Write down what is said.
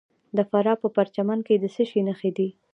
د فراه په پرچمن کې د څه شي نښې دي؟